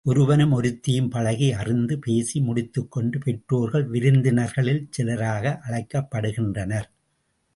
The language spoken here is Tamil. ஒருவனும் ஒருத்தியும் பழகி அறிந்து பேசி முடித்துக்கொண்டு பெற்றோர்கள் விருந்தினர்களில் சிலராக அழைக்கப்படுகின்றனர்.